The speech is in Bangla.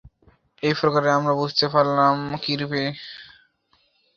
এই প্রকারে আমরা বুঝিতে পারিলাম, কিরূপে ঈশ্বরকে জানিলে স্বর্গরাজ্য আমাদের অন্তরে আবির্ভূত হয়।